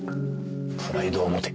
プライドを持て。